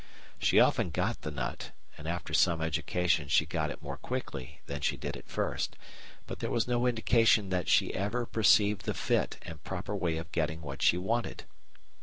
She often got the nut, and after some education she got it more quickly than she did at first, but there was no indication that she ever perceived the fit and proper way of getting what she wanted.